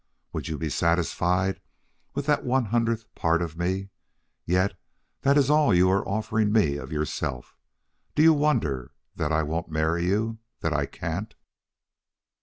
Would you be satisfied with that one hundredth part of me? Yet that is all you are offering me of yourself. Do you wonder that I won't marry you? that I can't?"